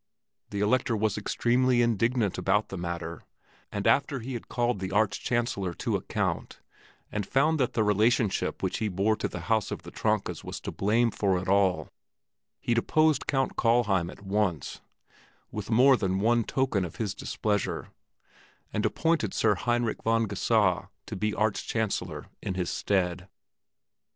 The Elector was extremely indignant about the matter and after he had called the Arch Chancellor to account and found that the relationship which he bore to the house of the Tronkas was to blame for it all, he deposed Count Kallheim at once, with more than one token of his displeasure, and appointed Sir Heinrich von Geusau to be Arch Chancellor in his stead.